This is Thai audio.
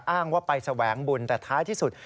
อ้างว่าไปแสวงบุญแต่ท้ายที่สุด